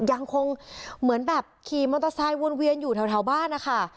ยังคงเหมือนแบบขี่มอเตอร์ไซค์วนเวียนอยู่แถวบ้านนะคะ